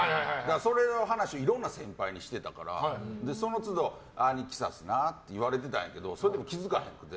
それの話をいろんな先輩にしてたからその都度、アニキサスなって言われてたんやけどそれでも気づかへんくて。